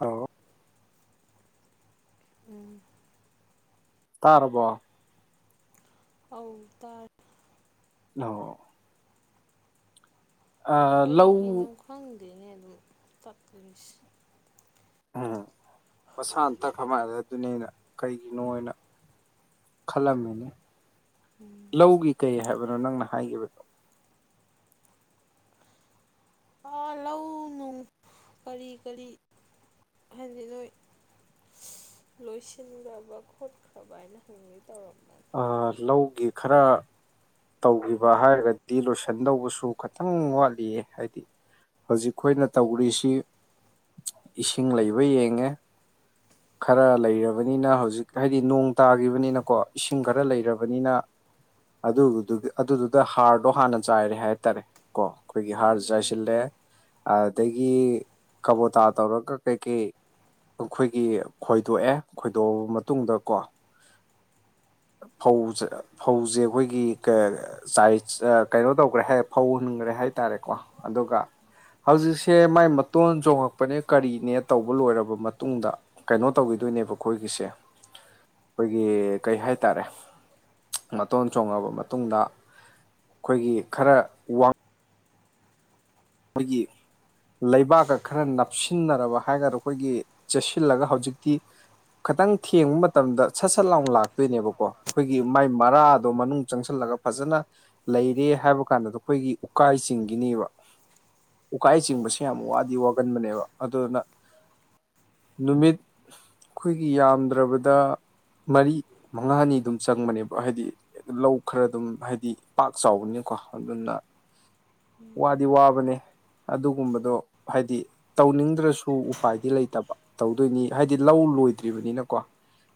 ꯑ ꯎꯝ ꯇꯔꯔꯕꯣ ꯑꯗꯔ ꯑꯣ ꯑ ꯂꯧ ꯑꯗꯨꯅꯦ ꯑꯗꯨ ꯇꯛꯄꯤꯣꯏꯁꯤ ꯎꯝ ꯃꯁꯥ ꯑꯇ ꯀꯃꯥꯏꯔꯦ ꯑꯗꯨꯅꯦ ꯑꯩꯅ ꯀꯩꯒꯤꯅꯣ ꯑꯣꯏꯅ ꯈꯜꯂꯝꯃꯤꯅꯦ ꯎꯝ ꯂꯧꯒꯤ ꯀꯩ ꯍꯥꯏꯕꯅꯣ ꯅꯪꯅ ꯍꯥꯏꯈꯤꯕꯗꯣ ꯑ ꯂꯧ ꯅꯨꯡ ꯀꯔꯤ ꯀꯔꯤ ꯍꯥꯏꯖꯤ ꯅꯣꯏ ꯂꯣꯏꯁꯤꯟꯈ꯭ꯔꯕ ꯈꯣꯠꯈ꯭ꯔꯕ ꯍꯥꯏꯅ ꯍꯪꯉꯤ ꯇꯧꯔ ꯂꯧꯒꯤ ꯈꯔ ꯇꯧꯈꯤꯕ ꯍꯥꯏꯔꯒꯗꯤ ꯂꯣꯏꯁꯤꯟꯗꯧꯕꯁꯨ ꯈꯤꯇꯪ ꯋꯥꯠꯂꯤꯌꯦ ꯍꯥꯏꯗꯤ ꯍꯧꯖꯤꯛ ꯑꯩꯈꯣꯏꯅ ꯇꯧꯔꯤꯁꯤ ꯏꯁꯤꯡ ꯂꯩꯕ ꯌꯦꯡꯉꯦ ꯈꯔ ꯂꯩꯔꯕꯅꯤꯅ ꯍꯧꯖꯤꯛ ꯍꯥꯏꯗꯤ ꯅꯣꯡ ꯇꯥꯈꯤꯕꯅꯤꯅꯀꯣ ꯏꯁꯤꯡ ꯈꯔ ꯂꯩꯔꯕꯅꯤꯅ ꯑꯗ ꯑꯗꯨ ꯑꯗꯨꯗꯨꯗ ꯍꯥꯔꯗꯣ ꯍꯥꯟꯅ ꯆꯥꯏꯔꯦ ꯍꯥꯏꯇꯥꯔꯦ ꯀꯣ ꯑꯩꯈꯣꯏꯒꯤ ꯍꯥꯔꯁꯨ ꯎꯝ ꯆꯥꯏꯁꯤꯜꯂꯦ ꯑꯗꯒꯤ ꯀꯕꯣꯇꯥ ꯇꯧꯔꯒ ꯀꯩꯀꯩ ꯑꯩꯈꯣꯏꯒꯤ ꯈꯣꯏꯗꯣꯛꯑꯦ ꯈꯣꯏꯗꯣꯛꯑꯕ ꯃꯇꯨꯡꯗꯀꯣ ꯐꯧꯁꯦ ꯎꯝ ꯐꯧꯁꯦ ꯑꯩꯈꯣꯏꯒꯤ ꯆ ꯀꯩꯅꯣ ꯇꯧꯈ꯭ꯔꯦ ꯍꯥꯏ ꯐꯧ ꯍꯨꯟꯈ꯭ꯔꯦ ꯍꯥꯏ ꯇꯔꯦꯀꯣ ꯑꯗꯨꯒ ꯍꯧꯖꯤꯛꯁꯦ ꯃꯥꯏ ꯃꯇꯣꯟ ꯆꯣꯡꯉꯛꯄꯅꯦ ꯀꯔꯤꯅꯦ ꯇꯧꯕ ꯂꯣꯏꯔꯕ ꯃꯇꯨꯡꯗ ꯀꯩꯅꯣ ꯇꯧꯈꯤ ꯑꯗꯨꯏꯅꯦꯕ ꯑꯩꯈꯣꯏꯒꯤꯁꯦ ꯑꯩꯈꯣꯏꯒꯤ ꯀꯩ ꯍꯥꯏꯇꯥꯔꯦ ꯃꯇꯣꯟ ꯆꯣꯡꯉꯕ ꯃꯇꯨꯡ ꯃꯇꯨꯡꯗ ꯑꯩꯈꯣꯏꯒꯤ ꯈꯔ ꯋꯥ ꯑꯩꯈꯣꯏꯒꯤ ꯂꯩꯕꯥꯛꯀ ꯈꯔ ꯅꯞꯁꯤꯟꯅꯔꯕ ꯍꯥꯏꯒꯗ꯭ꯔꯥ ꯑꯩꯈꯣꯏꯒꯤ ꯆꯦꯁꯤꯜꯂꯒ ꯍꯧꯖꯤꯛꯇꯤ ꯈꯤꯇꯪ ꯊꯦꯡꯕ ꯃꯇꯝꯗ ꯁꯠ ꯁꯠ ꯂꯥꯎꯅ ꯂꯥꯛꯇꯣꯏꯅꯦꯕꯀꯣ ꯑꯩꯈꯣꯏꯒꯤ ꯃꯥꯏ ꯃꯔꯥꯗꯣ ꯃꯅꯨꯡ ꯆꯪꯁꯜꯂ ꯐꯖꯅ ꯂꯩꯔꯦ ꯍꯥꯏꯕ ꯀꯥꯟꯗꯗ ꯑꯩꯈꯣꯏꯒꯤ ꯎꯀꯥꯏꯁꯤꯡꯒꯤꯅꯦꯕ ꯎꯀꯥꯏ ꯆꯤꯡꯕꯁꯦ ꯌꯥꯝ ꯋꯥꯗꯤ ꯋꯥꯒꯟꯕꯅꯦꯕ ꯑꯗꯨꯅ ꯅꯨꯃꯤꯠ ꯑꯩꯈꯣꯏꯒꯤ ꯌꯥꯝꯗ꯭ꯔꯕꯗ ꯃꯔꯤ ꯃꯉꯥꯅꯤ ꯑꯗꯨꯝ ꯆꯪꯕꯅꯦꯕ ꯍꯥꯏꯗꯤ ꯂꯧ ꯈꯔ ꯑꯗꯨꯝ ꯍꯥꯏꯗꯤ ꯄꯥꯛ ꯆꯥꯎꯕꯅꯤ ꯀꯗꯨꯅ ꯑꯣ ꯋꯥꯗꯤ ꯋꯥꯕꯅꯦ ꯑꯗꯨꯒꯨꯝꯕꯗꯣ ꯍꯥꯏꯗꯤ ꯇꯧꯅꯤꯡꯗ꯭ꯔꯁꯨ ꯁꯨ ꯎꯄꯥꯏꯗꯤ ꯂꯩꯇꯕ ꯇꯧꯗꯣꯏꯅꯤ ꯍꯥꯏꯗꯤ ꯂꯧ ꯂꯣꯏꯗ꯭ꯔꯤꯕꯅꯤꯅꯀꯣ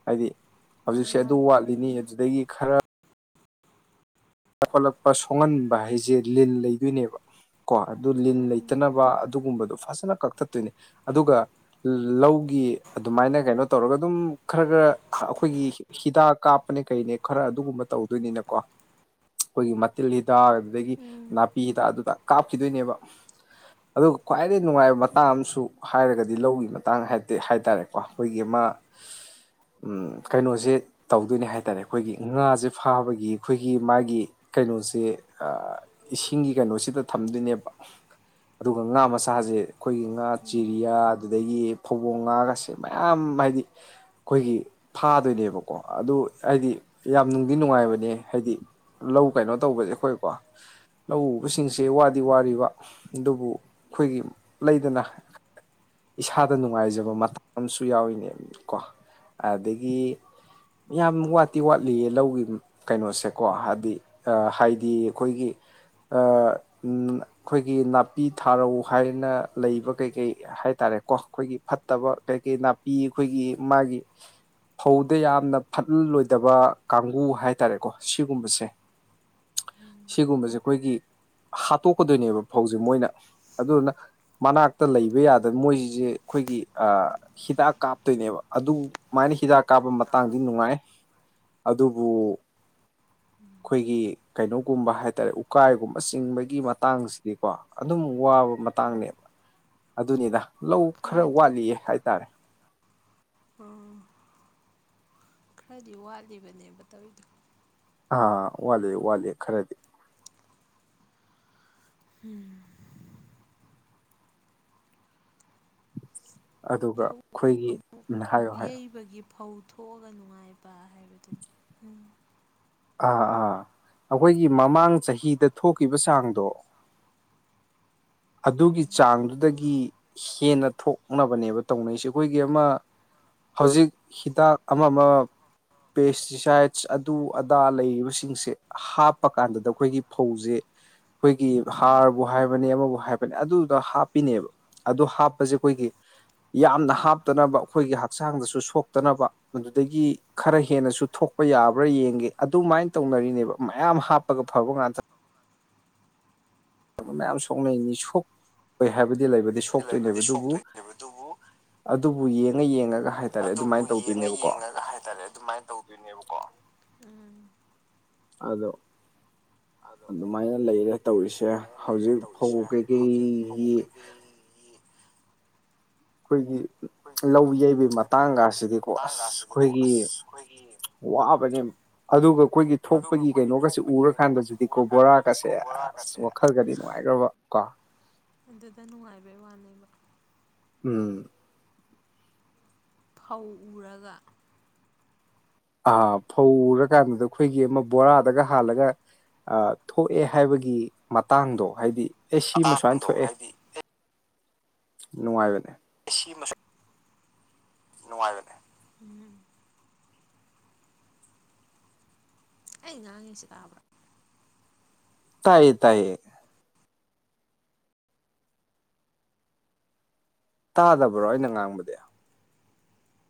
ꯍꯥꯏꯗꯤ ꯃꯥꯅꯤ ꯍꯧꯖꯤꯛꯁꯦ ꯑꯗꯨ ꯃꯥꯅꯤ ꯋꯥꯠꯂꯤꯅꯤ ꯑꯗꯨꯗꯒꯤ ꯈꯔ ꯈꯣꯠꯂꯛꯄ ꯁꯣꯡꯍꯟꯕ ꯍꯥꯏꯁꯦ ꯂꯤꯟ ꯂꯩꯗꯣꯏꯅꯦꯕ ꯀꯣ ꯑꯗꯨ ꯂꯤꯟ ꯎꯝ ꯂꯩꯇꯅꯕ ꯑꯗꯨꯒꯨꯝꯕꯗꯨꯣ ꯐꯖꯅ ꯀꯛꯊꯠꯇꯣꯏꯅꯤ ꯑꯗꯨꯒ ꯂꯧꯒꯤ ꯑꯗꯨꯃꯥꯏꯅ ꯀꯩꯅꯣ ꯇꯧꯔꯒ ꯑꯗꯨꯝ ꯈꯔ ꯈꯔ ꯑꯩꯈꯣꯏꯒꯤ ꯍꯤꯗꯥꯛ ꯀꯥꯞꯄꯅꯦ ꯀꯩꯅꯦ ꯈꯔ ꯑꯗꯨꯒꯨꯝꯕ ꯇꯧꯗꯣꯏꯅꯤꯅꯀꯣ ꯑꯩꯈꯣꯏꯒꯤ ꯃꯇꯤꯤꯟ ꯍꯤꯗꯥꯛ ꯑꯗꯨꯗꯒꯤ ꯎꯝ ꯅꯥꯄꯤ ꯍꯤꯗꯥꯛ ꯑꯗꯨꯗ ꯀꯥꯞꯈꯤꯗꯣꯏꯅꯦꯕ ꯑꯗꯨꯒ ꯈ꯭ꯋꯥꯏꯗꯩ ꯅꯨꯡꯉꯥꯏꯕ ꯃꯇꯥꯡ ꯑꯃꯁꯨ ꯍꯥꯏꯔꯒꯗꯤ ꯂꯧꯒꯤ ꯃꯇꯥꯡ ꯍꯥꯏꯦ ꯍꯥꯏꯇꯥꯔꯦꯀꯣ ꯑꯩꯈꯣꯏꯒꯤ ꯀ ꯎ ꯀꯩꯅꯣꯁꯦ ꯇꯧꯗꯣꯏꯅꯦ ꯍꯥꯏ ꯇꯔꯦ ꯑꯩꯈꯣꯏꯒꯤ ꯉꯥꯁꯦ ꯐꯥꯕꯒꯤ ꯑꯩꯈꯣꯏꯒꯤ ꯃꯥꯒꯤ ꯀꯩꯅꯣꯁꯦ ꯏꯁꯤꯡꯒꯤ ꯀꯩꯅꯣꯁꯤꯗ ꯊꯝꯗꯣꯏꯅꯦꯕ ꯑꯗꯨꯒ ꯉꯥ ꯃꯁꯥꯁꯦ ꯑꯩꯈꯣꯏꯒꯤ ꯉꯥ ꯆꯤꯔꯤꯌꯥ ꯑꯗꯨꯗꯒꯤ ꯐꯧꯧꯕꯣꯡ ꯉꯥꯒꯁꯦ ꯃꯌꯥꯝ ꯍꯥꯏꯗꯤ ꯑꯩꯈꯣꯏꯒꯤ ꯐꯥꯗꯣꯏꯅꯦꯕꯀꯣ ꯑꯗꯨ ꯍꯥꯏꯗꯤ ꯌꯥꯝ ꯅꯨꯡꯗꯤ ꯅꯨꯡꯉꯥꯏꯕꯅꯦ ꯍꯥꯏꯗꯤ ꯂꯧ ꯀꯩꯅꯣ ꯇꯧꯕꯁꯦ ꯑꯩꯈꯣꯏꯀꯣ ꯂꯧ ꯎꯕꯁꯤꯡꯁꯦ ꯋꯥꯗꯤ ꯋꯥꯔꯤꯕ ꯑꯗꯨꯕꯨ ꯑꯩꯈꯣꯏꯒꯤ ꯂꯩꯗꯅ [unintelligible] ꯏꯁꯥꯗ ꯅꯨꯡꯉꯥꯏꯖꯕ ꯃꯇꯝꯨ ꯌꯥꯎꯏꯅꯦꯕ ꯀꯣ ꯑꯗꯒꯤ ꯌꯥꯝ ꯋꯥꯠꯇꯤ ꯋꯥꯠꯂꯤꯌꯦ ꯂꯧꯒꯤ ꯀꯩꯅꯣꯁꯦ ꯀꯣ ꯍꯥꯏꯗꯤ ꯍꯥꯏꯗꯤ ꯑꯩꯈꯣꯏꯒꯤ ꯑꯩꯈꯣꯏꯒꯤ ꯅꯥꯄꯤ ꯊꯥꯔꯧ ꯍꯥꯏꯅ ꯂꯩꯕ ꯀꯩꯀꯩ ꯍꯥꯏꯇꯥꯔꯦ ꯣ ꯑꯩꯈꯣꯏꯒꯤ ꯐꯠꯇꯕ ꯀꯩ ꯀꯩ ꯅꯥꯄꯤ ꯑꯩꯈꯣꯏꯒꯤ ꯃꯥꯒꯤ ꯐꯧꯗ ꯌꯥꯝꯅ ꯐꯠꯂꯣꯏꯗꯕ ꯀꯥꯡꯒꯨ ꯍꯥꯏꯇꯥꯔꯦꯀꯣ ꯁꯤꯒꯨꯝꯕꯁꯦ ꯁꯤꯒꯨꯝꯕꯁꯦ ꯑꯩꯈꯣꯏꯒꯤ ꯍꯥꯠꯇꯣꯛꯀꯗꯣꯏꯅꯦꯕ ꯐꯧꯁꯦ ꯃꯣꯏꯅ ꯑꯗꯨꯗꯨꯅ ꯃꯅꯥꯛꯇ ꯂꯩꯕ ꯌꯥꯗꯅ ꯃꯣꯏꯁꯤꯁꯦ ꯑꯩꯈꯣꯏꯒꯤ ꯍꯤꯗꯥꯛ ꯀꯥꯞꯇꯣꯏꯅꯦꯕ ꯑꯗꯨꯃꯥꯏꯅ ꯍꯤꯗꯥꯛ ꯀꯥꯞꯄ ꯃꯇꯥꯡꯗꯤ ꯅꯨꯡꯉꯥꯏ ꯑꯗꯨꯕꯨ ꯎꯝ ꯑꯩꯈꯣꯏꯒꯤ ꯀꯩꯅꯣꯒꯨꯝꯕ ꯍꯥꯏꯇꯥꯔꯦ ꯎꯀꯥꯏꯒꯨꯝꯕ ꯆꯤꯡꯕꯒꯤ ꯃꯇꯥꯡꯁꯤꯗꯤꯀꯣ ꯑꯗꯨꯝ ꯋꯥꯕ ꯃꯇꯥꯡꯅꯦꯕ ꯑꯗꯨꯅꯤꯗ ꯂꯧ ꯈꯔ ꯈꯔꯗꯤ ꯋꯥꯠꯂꯤꯌꯦ ꯍꯥꯏꯇꯥꯔꯦ ꯎꯝ ꯈꯔꯗꯤ ꯋꯥꯂꯤꯕꯅꯤ ꯗ ꯑꯥ ꯋꯥꯠꯂꯦ ꯋꯥꯠꯂꯦ ꯈꯔꯗꯤ ꯎꯝ ꯑꯗꯨꯒ ꯂꯧ ꯑꯩꯈꯣꯏꯒꯤꯅ ꯍꯥꯏꯌꯣ ꯍꯥꯏꯌꯣ ꯌꯩꯕꯒꯤ ꯐꯧ ꯊꯣꯛꯑꯒ ꯅꯨꯡꯉꯥꯏꯕ ꯍꯥꯏꯕꯗꯨꯅꯤ ꯎꯝ ꯑꯥ ꯑꯥ ꯑꯩꯈꯣꯏꯒꯤ ꯃꯃꯥꯡ ꯆꯍꯤꯗ ꯊꯣꯛꯈꯤꯕ ꯆꯥꯡꯗꯣ [unintelligible] ꯑꯗꯨꯒꯤ ꯎꯝ ꯆꯥꯡꯗꯨꯗꯒꯤ ꯍꯦꯟꯅ ꯊꯣꯛꯅꯕꯅꯦꯕ ꯇꯧꯅꯩꯁꯦ ꯑꯩꯈꯣꯏꯒꯤ ꯑꯃ ꯍꯧꯖꯤꯛ ꯍꯤꯗꯥꯛ ꯑꯃ ꯑꯃ ꯄꯦꯁꯇꯤꯁꯥꯏꯠꯁ ꯑꯗꯨ ꯑꯗꯥ ꯂꯩꯔꯤꯕꯁꯤꯡꯁꯦ ꯍꯥꯞꯄ ꯀꯥꯟꯗꯗ ꯑꯩꯈꯣꯏꯒꯤ ꯐꯧꯁꯦ [unintelligible] ꯑꯩꯈꯣꯏꯒꯤ ꯎꯝ ꯍꯥꯔꯕꯨ ꯍꯥꯏꯕꯅꯤ ꯑꯃꯕꯨ ꯍꯥꯏꯕꯅꯦ ꯑꯗꯨꯗ ꯍꯥꯞꯄꯤꯅꯦꯕ ꯑꯗꯨ ꯍꯥꯞꯄꯁꯦ ꯑꯩꯈꯣꯏꯒꯤ ꯌꯥꯝꯅ ꯍꯥꯞꯇꯅꯕ ꯑꯩꯈꯣꯏꯒꯤ ꯍꯛꯆꯥꯡꯗꯁꯨ ꯁꯣꯛꯇꯅꯕ ꯃꯗꯨꯗꯒꯤ ꯈꯔ ꯍꯦꯟꯅꯁꯨ ꯊꯣꯛ ꯌꯥꯕ꯭ꯔꯥ ꯌꯦꯡꯒꯦ ꯑꯗꯨꯃꯥꯏꯅ ꯇꯧꯅꯔꯤꯅꯦꯕ ꯃꯌꯥꯝ ꯍꯥꯞꯄꯒ ꯐꯕ ꯉꯥꯟꯇ ꯃꯌꯥꯝ ꯁꯣꯛꯅꯩꯅꯤ ꯁꯣꯛꯑꯣꯣꯏ ꯍꯥꯏꯕꯗꯤ ꯂꯩꯕ ꯂꯩꯕꯗꯤ ꯁꯣꯛꯇꯣꯏꯅꯦꯕ ꯑꯗꯨꯕꯨ ꯁꯣꯛꯇꯣꯏꯅꯦꯕ ꯑꯗꯨꯕꯨ ꯑꯗꯨꯕꯨ ꯌꯦꯡꯉ ꯌꯦꯡꯉ ꯑꯗꯨꯕꯨ ꯌꯦꯡꯉ ꯌꯦꯡꯉꯒ ꯍꯥꯏꯇꯥꯔꯦ ꯑꯗꯨꯃꯥꯏꯅ ꯇꯧꯗꯣꯏꯅꯦꯕꯀꯣ ꯎ ꯑꯗꯣ ꯑꯗꯨꯃꯥꯏꯅ ꯂꯩꯔꯦ ꯇꯧꯔꯤꯁꯦ ꯑꯗꯨꯃꯥꯏꯅ ꯂꯩꯔ ꯍꯧꯖꯤꯛ ꯐꯧ ꯇꯧꯔꯤꯁꯦ ꯀꯩꯀꯩ ꯑꯩ ꯑꯩꯈꯣꯏꯒꯤ ꯂꯧ ꯌꯩꯕꯒꯤ ꯃꯇꯥꯡꯒꯁꯤꯗꯤꯀꯣ ꯑꯁ ꯇꯥꯡꯒꯁꯤꯗꯤꯀꯣ ꯑꯩꯈꯣꯏꯒꯤ ꯑꯁ ꯑꯩꯈꯣꯏꯒꯤ ꯋꯥꯕꯅꯦ ꯑꯗꯨꯒ ꯑꯩꯈꯣꯏꯒꯤ ꯑꯗꯨꯒ ꯊꯣꯛꯄꯒꯤ ꯑꯩꯈꯣꯏꯒꯤ ꯀꯩꯅꯣꯒꯁꯦ ꯊꯣꯛꯄꯒꯤ ꯀꯩꯅꯣꯒꯁꯦ ꯎꯔꯀꯥꯟꯗꯗꯤꯀꯣ ꯕꯣꯔꯥꯒꯁꯦ ꯎꯔꯀꯥꯟꯗꯗꯤꯀꯣ ꯑꯁ ꯕꯣꯔꯥꯒꯁꯦ ꯋꯥꯈꯜꯒꯗꯤ ꯅꯨꯡꯉꯥꯏꯈ꯭ꯔꯕ ꯀꯣ ꯑꯗꯨꯗ ꯅꯨꯡꯉꯥꯏꯕꯩ ꯋꯥꯅꯦꯕ ꯎꯝ ꯐꯧ ꯎꯔꯒ ꯑꯥ ꯐꯧ ꯎꯔꯀꯥꯟꯗꯨꯗ ꯑꯩꯈꯣꯏꯒꯤ ꯑꯃ ꯕꯣꯔꯥꯗꯒ ꯍꯥꯜꯂꯒ ꯊꯣꯛꯑꯦ ꯍꯥꯏꯕꯒꯤ ꯃꯇꯥꯡꯗꯣ ꯍꯥꯏꯗꯤ ꯑꯦ ꯁꯤꯃ ꯁꯨꯃꯥꯏꯅ ꯃꯇꯥꯡꯗꯣ ꯊꯣꯛꯑꯦ ꯍꯥꯏꯗꯤ ꯅꯨꯡꯉꯥꯏꯕꯅꯦ ꯁꯤꯃ ꯅꯨꯡꯉꯥꯏꯕꯅꯦ ꯑꯩ ꯉꯥꯡꯉꯁꯤ ꯇꯥꯕ꯭ꯔ ꯇꯥꯏꯌꯦ ꯇꯥꯏꯌꯦ ꯇꯥꯗꯕ꯭ꯔꯣ ꯑꯩꯅ ꯉꯥꯡꯕꯗꯤ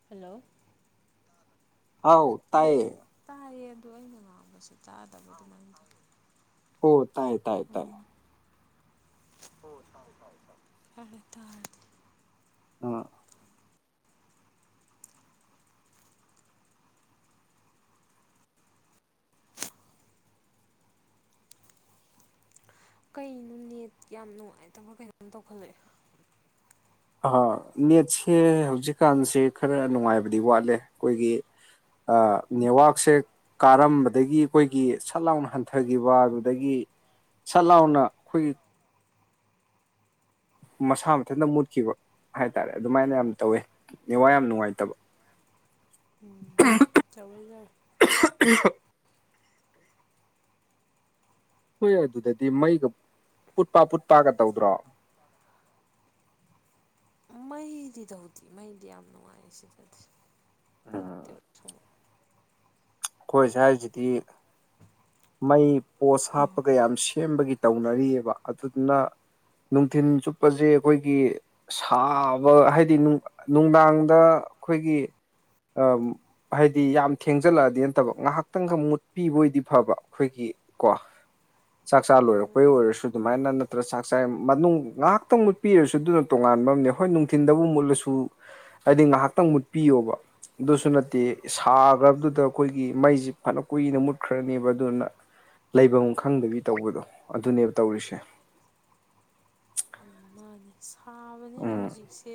ꯍꯜꯂꯣ ꯍꯥꯎ ꯑꯧ ꯇꯥꯏꯌꯦ ꯇꯥꯏꯌꯦ ꯑꯗꯣ ꯑꯩꯅ ꯉꯥꯡꯕ ꯁꯨꯡꯇꯥ ꯇꯥꯕꯤꯗꯦ ꯅꯪꯗꯤ ꯍꯣ ꯇꯥꯏ ꯇꯥꯏ ꯇꯥꯏ ꯐꯔꯦ ꯇꯥꯔꯗꯤ ꯑ ꯀꯩꯅꯣ ꯅꯦꯠ ꯌꯥꯝ ꯅꯨꯡꯉꯥꯏꯇꯕ꯭ꯔꯥ ꯀꯩꯅꯣꯝ ꯇꯧꯈꯠꯂꯛꯑꯦ ꯑ ꯅꯦꯠꯁꯦ ꯍꯧꯖꯤꯛꯀꯥꯟꯁꯦ ꯈꯔ ꯅꯨꯡꯉꯥꯏꯕꯗꯤ ꯋꯥꯠꯂꯦ ꯑꯈꯣꯏꯒꯤ ꯑꯥ ꯅꯦꯠꯋꯥꯛꯁꯦ ꯀꯥꯔꯝꯕꯗꯒꯤ ꯑꯈꯣꯏꯒꯤ ꯁꯠ ꯂꯥꯎꯅ ꯍꯟꯊꯈꯤꯕ ꯑꯗꯨꯗꯒꯤ ꯁꯠ ꯂꯥꯎꯅ ꯑꯈꯣꯏꯒꯤ ꯃꯁꯥ ꯃꯊꯟꯇ ꯃꯨꯠꯈꯤꯕ ꯍꯥꯏꯇꯥꯔꯦ ꯑꯗꯨꯃꯥꯏꯅ ꯌꯥꯝ ꯇꯧꯋꯦ ꯅꯦꯠꯋꯥꯛ ꯌꯥꯝ ꯅꯨꯡꯉꯥꯏꯇꯕ [unintelligible] ꯆꯥꯎ [unintelligible] [unintelligible] ꯍꯣꯏ ꯑꯗꯨꯗꯗꯤ ꯃꯩꯒ ꯄꯨꯠꯄ ꯄꯨꯠꯄꯒ ꯇꯧꯗ꯭ꯔꯣ ꯃꯩꯗꯤ ꯇꯧꯗꯤ ꯃꯩꯗꯤ ꯌꯥꯝ ꯅꯨꯡꯉꯥꯏ ꯁꯤꯗꯗꯤ ꯃꯨꯠꯇꯦꯕ ꯁꯨꯡꯃꯨꯠ ꯑꯈꯣꯏ ꯁꯥꯏꯁꯤꯗꯤ ꯃꯩ ꯄꯣꯠꯁ ꯍꯥꯞꯄꯒ ꯌꯥꯝ ꯁꯦꯝꯕꯒꯤ ꯇꯧꯅꯔꯤꯑꯕ ꯑꯗꯨꯗꯨꯅ ꯅꯨꯡꯊꯤꯟ ꯆꯨꯞꯄꯁꯦ ꯑꯈꯣꯏꯒꯤ ꯁꯥꯕ ꯍꯥꯏꯗꯤ ꯅꯨꯡꯗꯥꯡꯗ ꯑꯈꯣꯏꯒꯤ ꯑ ꯍꯥꯏꯗꯤ ꯌꯥꯝ ꯊꯦꯡꯖꯜꯂꯛꯑꯗꯤ ꯇꯕ ꯉꯥꯍꯥꯛꯇꯪꯒ ꯃꯨꯠꯄꯤꯕꯑꯣꯏꯗꯤ ꯐꯕ ꯑꯈꯣꯏꯒꯤ ꯀꯣ ꯆꯥꯛ ꯆꯥ ꯂꯣꯏꯔꯛꯄꯩ ꯁꯨꯡꯃꯨꯠ ꯑꯣꯏꯔꯁꯨ ꯑꯗꯨꯃꯥꯏꯅ ꯅꯠꯇ꯭ꯔ ꯆꯥꯛ ꯆꯥꯏ ꯃꯅꯨꯡ ꯉꯥꯍꯥꯛꯇꯪ ꯃꯨꯠꯄꯤꯔꯁꯨ ꯑꯗꯨꯅ ꯇꯣꯉꯥꯟꯕ ꯑꯃꯅꯦ ꯍꯣꯏ ꯅꯨꯡꯊꯤꯟꯗꯕꯨ ꯃꯨꯠꯂꯁꯨ ꯍꯥꯏꯗꯤ ꯉꯥꯍꯥꯛꯇꯪ ꯃꯨꯠꯄꯤꯌꯣꯕ ꯑꯗꯨꯁꯨ ꯅꯠꯇꯦ ꯁꯥꯒ꯭ꯔꯕꯗꯨꯗ ꯑꯈꯣꯏꯒꯤ ꯃꯩꯁꯤ ꯐꯅ ꯀꯨꯏꯅ ꯃꯨꯠꯈ꯭ꯔꯅꯤꯕ ꯑꯗꯨꯅ ꯂꯩꯐꯝ ꯈꯪꯗꯕꯤ ꯇꯧꯕꯗꯣ ꯑꯗꯨꯅꯦꯕ ꯇꯧꯔꯤꯁꯦ ꯎꯝ ꯃꯥꯅꯦ ꯁꯥꯕꯅꯤꯅ ꯎꯝ ꯍꯨꯖꯤꯛꯁꯦ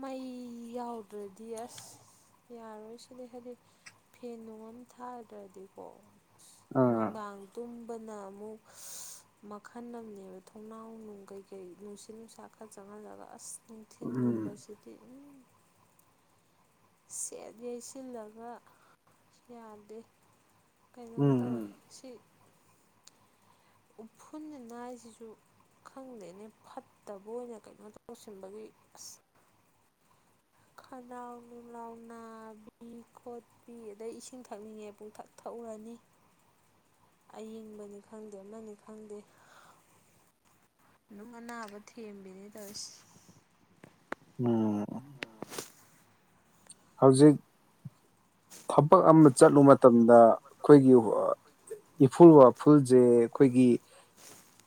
ꯃꯩ ꯌꯥꯎꯗ꯭ꯔꯗꯤ ꯑꯁ ꯌꯥꯔꯣꯏ ꯁꯤꯗꯤ ꯍꯥꯏꯗꯤ ꯐꯦꯟ ꯅꯨꯡ ꯑꯝ ꯊꯥꯗ꯭ꯔꯗꯤꯀꯣ ꯑꯥ ꯅꯨꯡꯗꯥꯡ ꯇꯨꯝꯕꯅ ꯑꯃꯨꯛ ꯃꯈꯜ ꯑꯝꯅꯦꯕ ꯊꯣꯡꯅꯥꯎ ꯅꯨꯡ ꯀꯩꯀꯩ ꯅꯨꯡꯁꯤꯠ ꯅꯨꯡꯁꯥ ꯈꯔ ꯆꯪꯍꯜꯂꯒ ꯑꯁ ꯎꯝ ꯅꯨꯡꯊꯤꯟꯒꯨꯝꯕꯁꯤꯗꯤ ꯁꯦꯠ ꯌꯩꯁꯤꯜꯂꯒ ꯌꯥꯗꯦ ꯀꯩꯅꯣꯝ ꯇꯧꯋꯦ ꯎꯝ ꯁꯤ ꯎꯐꯨꯟꯅꯤ ꯅꯥꯏꯁꯤꯁꯨ ꯈꯪꯗꯦꯅꯦ ꯐꯠꯇꯕ ꯑꯣꯏꯅ ꯀꯩꯅꯣ ꯇꯧꯁꯤꯟꯕꯒꯤ ꯑꯁ ꯈꯅꯥꯎ ꯅꯨꯡꯂꯥꯎ ꯅꯥꯕꯤ ꯈꯣꯠꯄꯤ ꯑꯗꯩ ꯏꯁꯤꯡ ꯊꯛꯅꯤꯡꯉꯦ ꯄꯨꯡ ꯊꯥꯛ ꯊꯛ ꯇꯧꯔꯅꯤ ꯑꯌꯤꯡꯕꯅꯤ ꯈꯪꯗꯦ ꯑꯃꯅꯤ ꯈꯪꯗꯦ ꯗꯨꯡ ꯑꯅꯥꯕ ꯊꯦꯝꯕꯤꯅꯤ ꯇꯧꯔꯤꯁꯤ ꯎꯝ ꯍꯧꯖꯤꯛ ꯊꯕꯛ ꯑꯃ ꯆꯠꯂꯨ ꯃꯇꯝꯗ ꯑꯈꯣꯏꯒꯤ ꯏꯐꯨꯜ ꯋꯥꯐꯨꯜꯁꯦ ꯑꯈꯣꯏꯒꯤ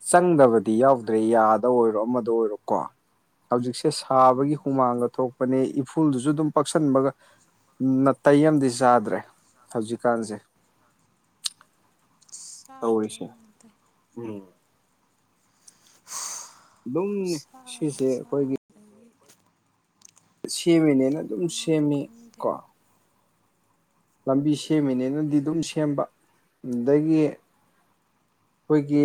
ꯆꯪꯗꯕꯗꯤ ꯌꯥꯎꯗ꯭ꯔꯦ ꯌꯥꯗ ꯑꯣꯏꯔꯣ ꯑꯃꯗ ꯑꯣꯏꯔꯣꯀꯣ ꯍꯧꯖꯤꯛꯁꯦ ꯎꯝ ꯁꯥꯕꯒꯤ ꯍꯨꯃꯥꯡꯒ ꯊꯣꯛꯄꯅꯦ ꯏꯐꯨꯜꯗꯨꯁꯨ ꯑꯗꯨꯝ ꯄꯛ ꯁꯤꯟꯕꯒ ꯅꯥꯇꯩ ꯑꯝꯗꯤ ꯆꯥꯗ꯭ꯔꯦ ꯍꯧꯖꯤꯛꯀꯥꯟꯁꯦ [unintelligible] ꯇꯧꯔꯤꯁꯦ ꯆꯔꯗ꯭ꯔꯦꯅꯦ ꯅꯥꯇꯩ ꯎꯝ ꯑꯗꯨꯝꯅꯦ ꯈꯨꯠꯁꯥ ꯁꯤꯁꯦ ꯑꯈꯣꯏꯒꯤ ꯆꯥꯗꯒꯤ ꯁꯦꯝꯃꯤꯅꯦꯅ ꯃꯊꯣꯡ ꯑꯗꯨꯝ ꯃꯔꯝ ꯑꯃꯕꯨꯛ ꯁꯦꯝꯃꯤ ꯀꯣ ꯈꯪꯗꯦꯕ ꯂꯝꯕꯤ ꯁꯦꯝꯃꯤꯅꯦꯅꯗꯤ ꯑꯗꯨꯝ ꯁꯦꯝꯕ ꯑꯗꯒꯤ ꯑꯩꯈꯣꯏꯒꯤ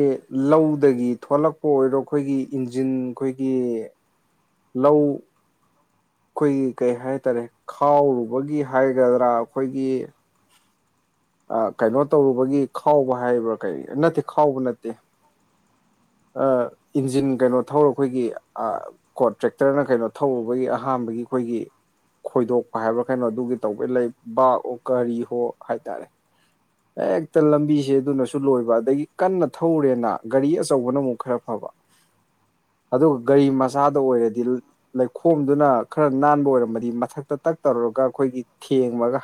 ꯂꯧꯗꯒꯤ ꯊꯣꯛꯂꯛꯄ ꯑꯣꯏꯔꯣ ꯑꯩꯈꯣꯏꯒꯤ ꯏꯟꯖꯤꯟ ꯑꯩꯈꯣꯏꯒꯤ ꯂꯧ ꯑꯩꯈꯣꯏꯒꯤ ꯀꯩ ꯍꯥꯏꯇꯥꯔꯦ ꯈꯥꯎꯔꯨꯕꯒꯤ ꯍꯥꯏꯒꯗ꯭ꯔꯥ ꯑꯩꯈꯣꯏꯒꯤ ꯀꯩꯅꯣ ꯇꯧꯔꯨꯕꯒꯤ ꯈꯥꯎꯕ ꯍꯥꯏꯕ꯭ꯔꯥ ꯀꯔꯤ ꯅꯠꯇꯦ ꯈꯥꯎꯕ ꯅꯠꯇꯦ [unintelligible] ꯏꯟꯖꯤꯟ ꯀꯩꯅꯣ ꯊꯧꯔ ꯑꯩꯈꯣꯏꯒꯤ ꯀꯣ ꯇ꯭ꯔꯦꯛꯇꯔꯅ ꯀꯩꯅꯣ ꯊꯧꯔꯨꯕꯒꯤ ꯑꯍꯥꯟꯕꯒꯤ ꯑꯩꯈꯣꯏꯒꯤ ꯈꯣꯏꯗꯣꯛꯄ ꯍꯥꯏꯕ꯭ꯔꯥ ꯀꯩꯅꯣ ꯑꯗꯨꯒꯤ ꯇꯧꯕꯒꯤ ꯂꯩ ꯕꯥꯥꯛ ꯑꯣ ꯀꯔꯤ ꯍꯣ ꯍꯥꯏꯇꯥꯔꯦ ꯎ ꯍꯦꯛꯇ ꯂꯝꯕꯤꯁꯦ ꯑꯗꯨꯅꯁꯨ ꯂꯣꯏꯕ ꯑꯗꯒꯤ ꯀꯟꯅ ꯊꯧꯔꯦꯅ ꯒꯥꯔꯤ ꯑꯆꯧꯕꯅ ꯑꯃꯨꯛ ꯈꯔ ꯐꯕ [unintelligible] ꯑꯗꯨꯒ ꯒꯥꯔꯤ ꯃꯆꯥꯗ ꯑꯣꯏꯔꯗꯤ ꯂꯩꯈꯣꯝꯗꯨꯅ ꯈꯔ ꯅꯥꯟꯕ ꯑꯣꯏꯔꯝꯃꯗꯤ ꯃꯊꯛꯇ ꯇꯛ ꯇꯧꯔ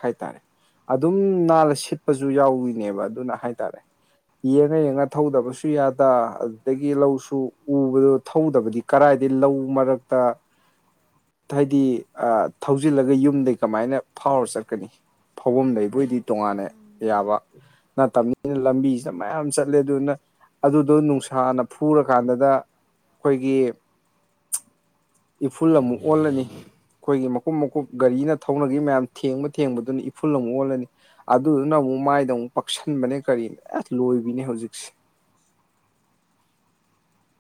ꯍꯥꯏꯔꯦ ꯑꯗꯨ ꯁꯤꯠꯄꯁꯨ ꯌꯥꯎꯔꯤꯅꯦꯕ ꯑꯗꯨꯅ ꯍꯥꯏꯇꯥꯔꯦ ꯌꯦꯡꯉ ꯌꯦꯡꯉ ꯊꯧꯗꯕꯁꯨ ꯌꯥꯗ ꯑꯗꯨꯗꯒꯤ ꯂꯧꯁꯨ ꯎꯕꯗ ꯊꯧꯗꯕꯗꯤ ꯀꯔꯥꯏ ꯍꯥꯏꯗꯤ ꯂꯧ ꯃꯔꯛꯇ [unintelligible] ꯍꯥꯏꯗꯤ ꯊꯧꯖꯤꯜꯂꯒ ꯌꯨꯝꯗꯒꯤꯩ ꯀꯃꯥꯏꯅ ꯐꯥꯎꯔ ꯆꯠꯀꯅꯤ ꯐꯥꯎꯐꯝꯗꯩ ꯕꯣꯏꯗꯤ ꯇꯣꯉꯥꯟꯅꯦ ꯎꯝ ꯕ ꯅꯠꯇꯕꯅꯤꯅ ꯂꯝꯕꯤꯁꯤꯗ ꯃꯌꯥꯝ ꯆꯠꯂꯦ ꯑꯗꯨꯅ ꯑꯗꯨꯗꯣ ꯅꯨꯡꯁꯥꯅ ꯐꯨꯔꯀꯥꯟꯗꯨꯗ ꯑꯩꯈꯣꯏꯒꯤ [unintelligible] ꯏꯐꯨꯜ ꯑꯃꯨꯛ ꯑꯣꯜꯂꯅꯤ ꯑꯩꯈꯣꯏꯒꯤ ꯃꯀꯨꯞ ꯃꯀꯨꯞ ꯒꯥꯔꯤꯅ ꯊꯧꯅꯒꯤ ꯃꯌꯥꯝ ꯊꯦꯡꯕ ꯊꯦꯡꯕꯗꯨꯅ ꯏꯐꯨꯜ ꯑꯃꯨꯛ ꯑꯣꯜꯂꯅꯤ ꯑꯗꯨꯗꯨꯅ ꯑꯃꯨꯛ ꯃꯥꯏꯗ ꯑꯃꯨꯛ ꯄꯛꯁꯟꯕꯅꯦ ꯀꯔꯤ ꯑ ꯂꯣꯏꯕꯤꯅꯦ ꯍꯧꯖꯤꯛꯁꯦ [unintelligible]